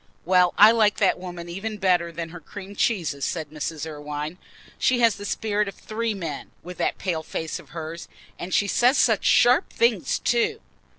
"Well, I like that woman even better than her cream cheeses," said Mrs. Irwine. "She has the spirit of three men, with that pale face of hers. And she says such sharp things too."